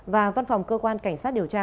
và văn phòng cơ quan cảnh sát điều tra